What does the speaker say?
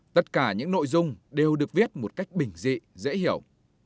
tất cả những nội dung đều được viết một cách bình dị dễ hiểu